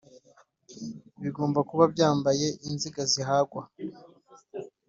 bigomba kuba byambaye inziga zihagwa